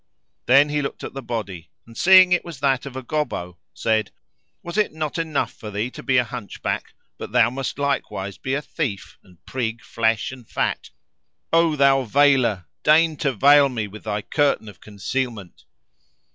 Then he looked at the body and seeing it was that of a Gobbo, said, "Was it not enough for thee to be a hunchback,[FN#501] but thou must likewise be a thief and prig flesh and fat! O thou Veiler,[FN#502] deign to veil me with Thy curtain of concealment!"